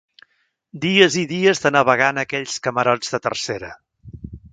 Dies i dies de navegar en aquells camarots de tercera